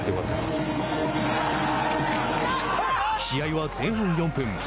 試合は前半４分。